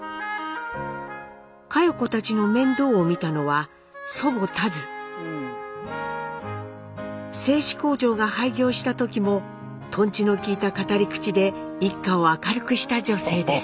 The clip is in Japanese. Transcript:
佳代子たちの面倒を見たのは製糸工場が廃業した時もとんちのきいた語り口で一家を明るくした女性です。